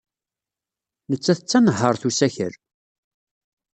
Nettat d tanehhaṛt n usakal.